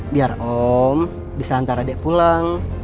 biar om bisa hantar adek pulang